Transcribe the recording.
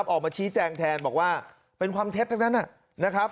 ออกมาชี้แจงแทนบอกว่าเป็นความเท็จทั้งนั้นนะครับ